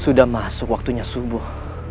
sudah masuk waktunya subuh